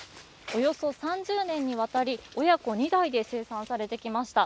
およそ３０年にわたり親子２代で生産されてきました。